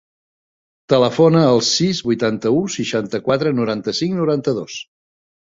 Telefona al sis, vuitanta-u, seixanta-quatre, noranta-cinc, noranta-dos.